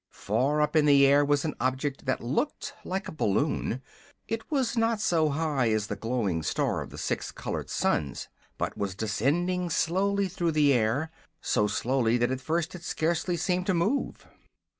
Far up in the air was an object that looked like a balloon. It was not so high as the glowing star of the six colored suns, but was descending slowly through the air so slowly that at first it scarcely seemed to move.